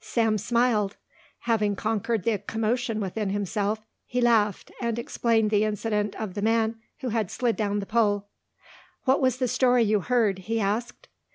Sam smiled. Having conquered the commotion within himself, he laughed and explained the incident of the man who had slid down the pole. "What was the story you heard?" he asked.